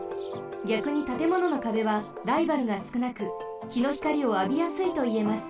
ぎゃくにたてもののかべはライバルがすくなくひのひかりをあびやすいといえます。